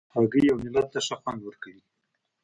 هګۍ اوملت ته ښه خوند ورکوي.